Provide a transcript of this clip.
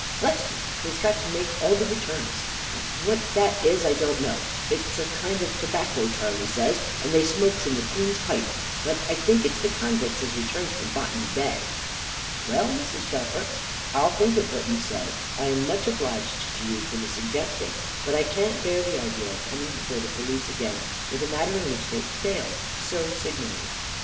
Bless you, he has got to make all the returns; what that is, I don't know. It's a kind of tobacco Charley says, that they smokes in the Queen's pipe. But I think it's the convicts as returns from Botany Bay." "Well, Mrs. Shelfer, I'll think of what you say, and I am much obliged to you for the suggestion; but I can't bear the idea of coming before the Police again, with a matter in which they failed so signally."